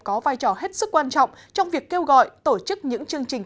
có vai trò hết sức quan trọng trong việc kêu gọi tổ chức những chương trình